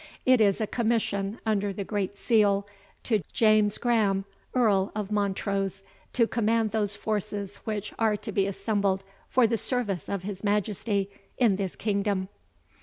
It is a commission under the great seal, to James Graham, Earl of Montrose, to command those forces which are to be assembled for the service of his Majesty in this kingdom."